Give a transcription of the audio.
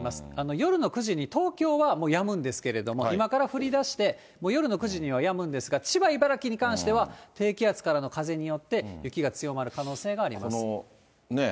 夜の９時に東京はやむんですけれども、今から降りだして、夜の９時にはやむんですが、千葉、茨城に関しては、低気圧からの風によって、雪が強まる可能性があります。